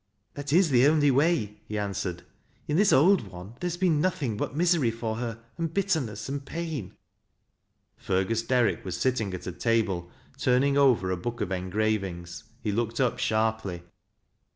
" That is the only way," he answered. " In this old one there has been nothing but misery for her, and bitterness and pain." Fergus Derrick was sitting at a table turning over a book of engravings. He looked up sharply.